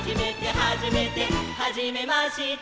「はじめまして」